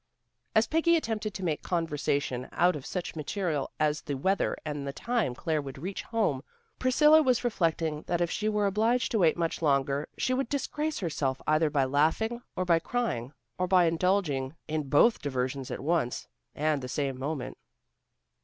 As Peggy attempted to make conversation out of such material as the weather and the time Claire would reach home, Priscilla was reflecting that if she were obliged to wait much longer she would disgrace herself either by laughing or by crying, or by indulging in both diversions at one and the same moment.